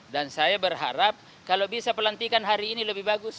dan saya berharap kalau bisa pelantikan hari ini lebih bagus